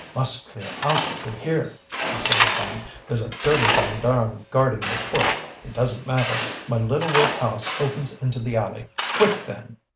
"Must clear out through here," she said again. "There's a dirty gendarme guarding the court. It doesn't matter; my little wood house opens into the alley. Quick, then!"